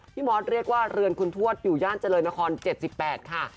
มอสเรียกว่าเรือนคุณทวดอยู่ย่านเจริญนคร๗๘ค่ะ